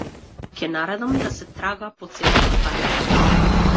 Ќе наредам да се трага по целата станица.